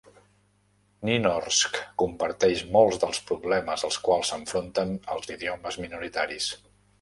Nynorsk comparteix molts dels problemes als quals s'enfronten els idiomes minoritaris.